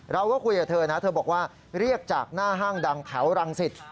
เราก็คุยกับเธอนะเธอบอกว่าเรียกจากหน้าห้างดังแถวรังสิต